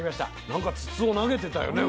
なんか筒を投げてたよね